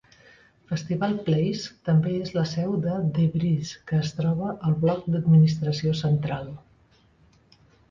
Festival Place també és la seu de The Breeze, que es troba al bloc d'administració central.